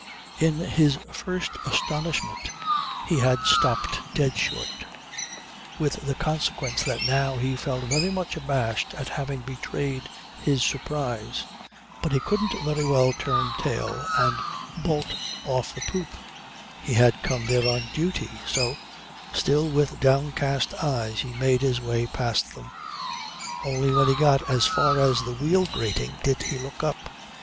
In his first astonishment he had stopped dead short, with the consequence that now he felt very much abashed at having betrayed his surprise. But he couldn't very well turn tail and bolt off the poop. He had come there on duty. So, still with downcast eyes, he made his way past them. Only when he got as far as the wheel grating did he look up.